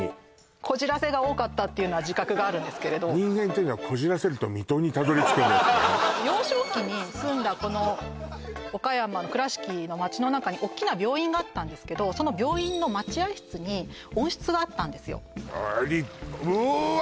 こじらせが多かったっていうのは自覚があるんですけれど人間っていうのは幼少期に住んだ岡山の倉敷の街の中に大きな病院があったんですけどその病院の待合室に温室があったんですようわ！